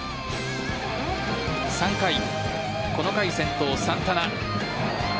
３回、この回先頭・サンタナ。